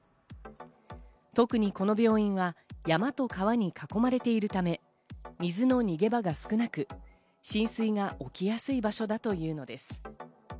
特にこの病院は山と川に囲まれているため、水の逃げ場が少なく浸水が起きやすい場所だというのです。